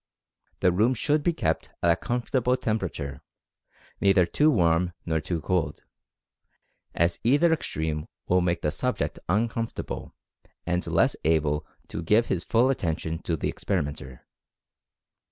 The room should be kept at a comfortable temperature, neither to warm nor too cold, as either extreme will make the subject uncomfortable and less able to give his full attention to the experimenter.